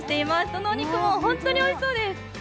どのお肉も本当においしそうです。